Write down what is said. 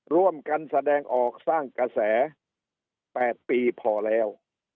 ร่วมกันแสดงออกสร้างกระแส๘ปีพอแล้ว